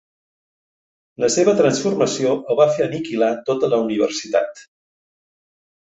La seva transformació el va fer aniquilar tota la universitat.